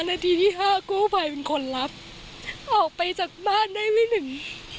นาทีที่ห้ากู้ภัยเป็นคนรับออกไปจากบ้านได้ไม่ถึง